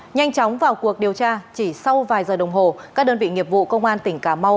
nhanh chóng vào cuộc điều tra chỉ sau vài giờ đồng hồ các đơn vị nghiệp vụ công an tỉnh cà mau